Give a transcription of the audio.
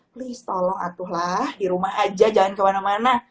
please tolong atuhlah di rumah aja jangan kemana mana